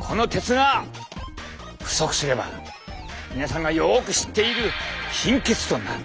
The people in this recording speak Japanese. この鉄が不足すれば皆さんがよく知っている貧血となる。